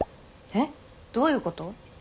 えっ！？どういうこと？